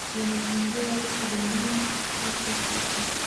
ya mazingira leo dunia hapo kesho